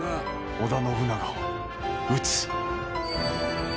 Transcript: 織田信長を討つ。